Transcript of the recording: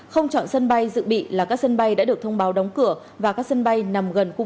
không chọn sân bay dự bị là các sân bay đã được thông báo đóng cửa và các sân bay nằm gần khu vực vùng trời bị ảnh hưởng